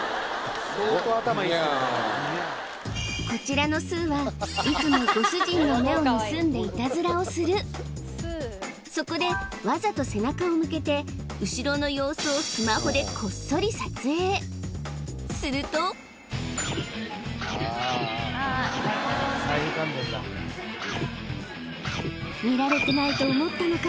ニャーこちらのすぅはいつもご主人の目を盗んでイタズラをするそこでわざと背中を向けて後ろの様子をスマホですると見られてないと思ったのか